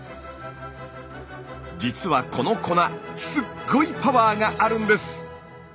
じつはこの粉すっごいパワーがあるんです！